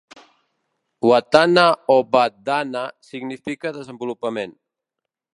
Watthana o Vadhana significa desenvolupament.